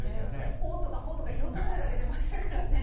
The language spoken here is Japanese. おっとか、ほっとか、いろんな声が出てましたからね。